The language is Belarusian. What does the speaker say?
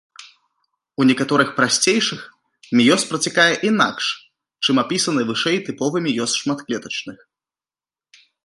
У некаторых прасцейшых меёз працякае інакш, чым апісаны вышэй тыповы меёз шматклетачных.